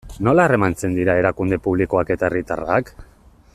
Nola harremantzen dira erakunde publikoak eta herritarrak?